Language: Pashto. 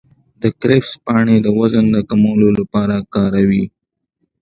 د کرفس پاڼې د وزن د کمولو لپاره وکاروئ